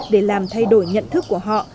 để làm thay đổi nhận thức của họ